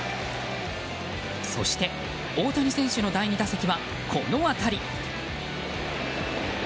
そして、大谷選手の第２打席はこの当たり。